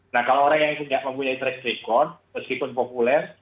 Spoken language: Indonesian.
nah kalau orang yang tidak memiliki re rekod meskipun populer